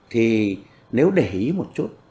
thì nếu để ý một chút